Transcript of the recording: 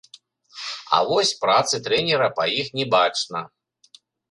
А вось працы трэнера па іх не бачна.